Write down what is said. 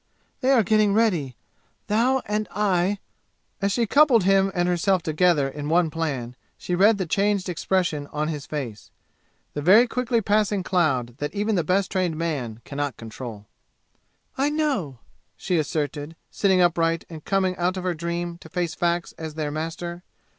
They are getting ready! Thou and I " As she coupled him and herself together in one plan she read the changed expression of his face the very quickly passing cloud that even the best trained man can not control. "I know!" she asserted, sitting upright and coming out of her dream to face facts as their master.